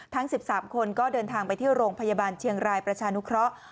ทั้ง๑๓คนก็เดินทางไปที่โรงพยาบาลเชียงรายประชานุเคราะห์